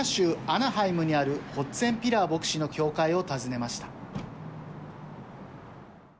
アナハイムにあるホッツェンピラー牧師の教会を訪ねました。